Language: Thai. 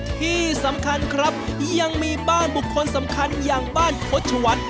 ที่สำคัญครับยังมีบ้านบุคคลสำคัญอย่างบ้านโฆษวัฒน์